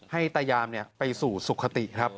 ให้ตายามไปสู่สุขติครับ